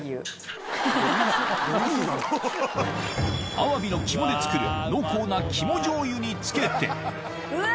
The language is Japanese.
アワビの肝で作る濃厚な肝醤油につけてうわ